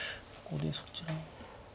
ここでそちら。